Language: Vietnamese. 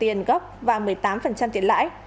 nạn nhân sẽ lại được tiền gốc và một mươi tám tiền lãi